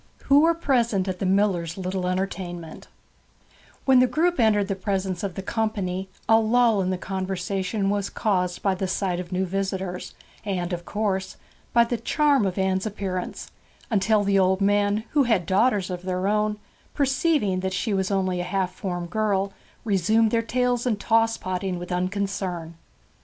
WHO WERE PRESENT AT THE MILLER'S LITTLE ENTERTAINMENT When the group entered the presence of the company a lull in the conversation was caused by the sight of new visitors, and (of course) by the charm of Anne's appearance; until the old men, who had daughters of their own, perceiving that she was only a half formed girl, resumed their tales and toss potting with unconcern.